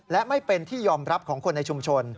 และไม่เป็นที่ยอมรับของคนในชุมชน